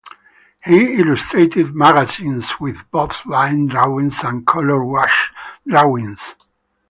He illustrated magazines with both line drawings and colour wash drawings.